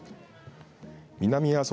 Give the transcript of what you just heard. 南阿蘇